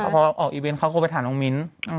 พอออกอีเว้นเขาก็เอาไปถามน้องมิ้นต์